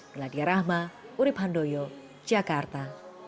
meladia rahma urib handoyo jakarta